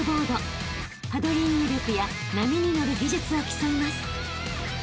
［パドリング力や波に乗る技術を競います］